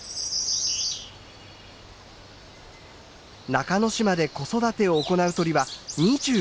中之島で子育てを行う鳥は２５種以上。